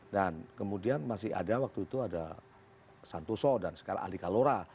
dan kemudian masih ada waktu itu ada santoso dan sekarang ali kalora